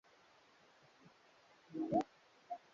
Huko Uingereza ulikuwa na makoloni kumi na tatu